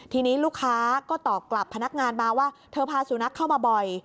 ทีนี้ลูกค้าก็ตอบกลับพนักงานมาว่าเธอพาสุนัขเข้ามาบ่อย